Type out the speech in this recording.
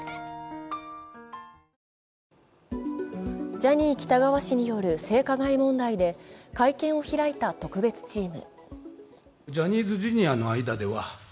ジャニー喜多川氏による性加害問題で会見を開いた特別チーム。